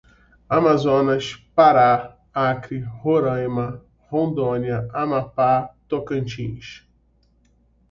Amazonas, Pará, Acre, Roraima, Rondônia, Amapá, Tocantins